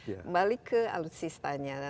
kembali ke alutsistanya